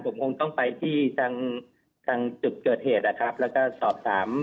ผมคงต้องไปที่ทางจุดเกิดเหตุแล้วก็สอบ๓